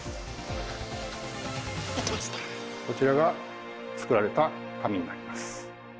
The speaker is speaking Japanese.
こちらが作られた紙になります。